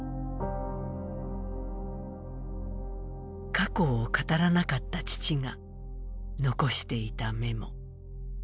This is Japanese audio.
過去を語らなかった父が残していたメモ。